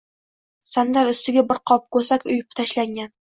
Sandal ustiga bir qop ko‘sak uyub tashlangan.